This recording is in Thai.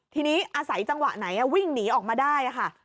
ทีนี้อาศัยจังหวะไหนวิ่งหนีออกมาได้ค่ะ